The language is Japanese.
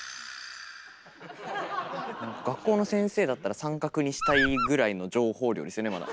学校の先生だったら「△」にしたいぐらいの情報量ですよね